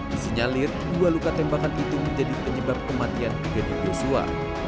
disinyalir dua luka tembakan itu menjadi penyebab kematian brigadir yosua